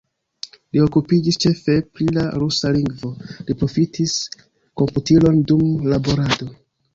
Li okupiĝis ĉefe pri la rusa lingvo, li profitis komputilon dum laborado.